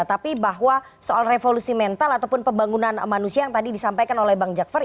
tapi bahwa soal revolusi mental ataupun pembangunan manusia yang tadi disampaikan oleh bang jakfar